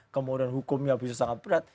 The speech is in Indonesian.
kemudian hukumnya bisa sangat berat